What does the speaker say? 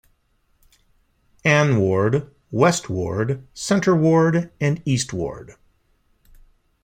Anne Ward, West Ward, Centre Ward and East Ward.